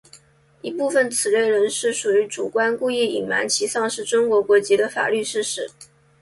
一部分此类人士属于主观故意隐瞒其丧失中国国籍的法律事实。